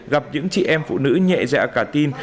gặp những chị em phụ nữ nhẹ dạ cả tin